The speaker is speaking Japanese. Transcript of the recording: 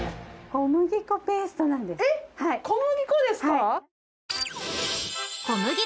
小麦粉ですか？